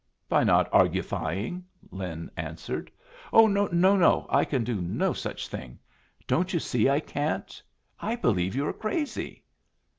"By not argufying," Lin answered. "Oh no, no! I can do no such thing. Don't you see I can't? I believe you are crazy."